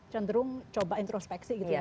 cenderung coba introspeksi gitu ya